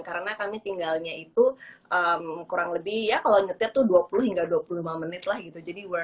karena kami tinggalnya itu kurang lebih ya kalau nyetir tuh dua puluh hingga dua puluh lima menit lah gitu jadi we're